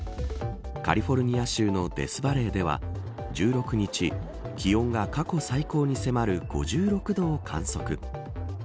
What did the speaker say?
カリフォルニア州のデスバレーでは１６日、気温が過去最高に迫る５６度を観測。